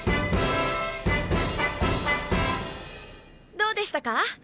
どうでしたか？